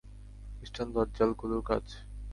খ্রিষ্টান দজ্জালগুলোর কাজ!